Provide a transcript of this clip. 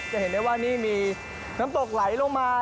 จะเห็นได้ว่านี่มีน้ำตกไหลลงมา